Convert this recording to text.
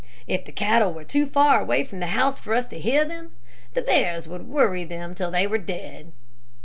If the cattle were too far away from the house for us to hear them, the bears would worry them till they were dead.